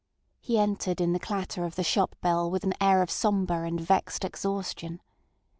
He entered in the clatter of the shop bell with an air of sombre and vexed exhaustion.